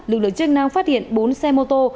lực lượng chức năng phát hiện bốn xe mô tô